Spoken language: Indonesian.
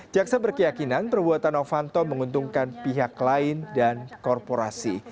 jaksa berkeyakinan perbuatan novanto menguntungkan pihak lain dan korporasi